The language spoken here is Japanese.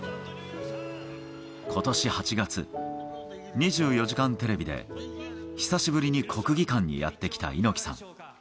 ことし８月、２４時間テレビで久しぶりに国技館にやって来た猪木さん。